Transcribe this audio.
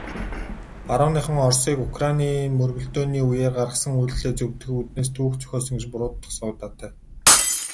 Барууныхан Оросыг Украины мөргөлдөөний үеэр гаргасан үйлдлээ зөвтгөх үүднээс түүх зохиосон гэж буруутгасан удаатай.